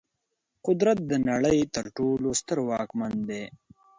قدرت د نړۍ تر ټولو ستر واکمن دی.